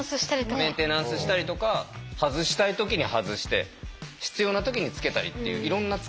メンテナンスしたりとか外したい時に外して必要な時につけたりっていういろんな使い分けがありましたよね。